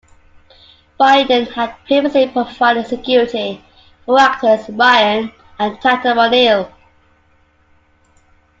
Bindon had previously provided security for actors Ryan and Tatum O'Neal.